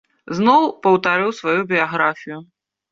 Зноў паўтарыў сваю біяграфію.